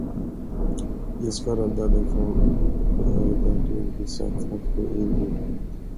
Jag ska rädda dig från det öde du envisas att gå in i.